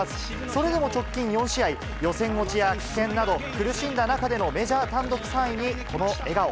それでも直近４試合、予選落ちや棄権など、苦しんだ中でのメジャー単独３位に、この笑顔。